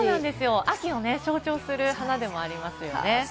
秋を象徴する花でもありますね。